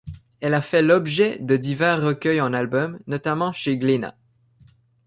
Elle a fait l'objet de divers recueils en album, notamment chez Glénat.